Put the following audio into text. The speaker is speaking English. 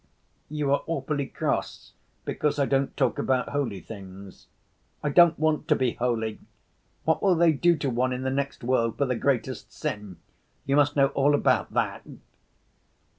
"You are awfully cross, because I don't talk about holy things. I don't want to be holy. What will they do to one in the next world for the greatest sin? You must know all about that."